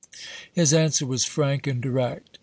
His answer was frank and direct.